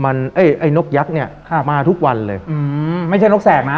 มันไอ้ไอ้นกยักษ์เนี่ยมาทุกวันเลยอืมไม่ใช่นกแสกนะ